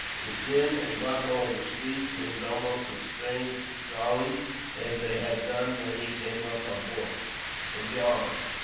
The din and bustle of the streets seemed almost as strange, to Charlie, as they had done when he came up a boy, from Yarmouth.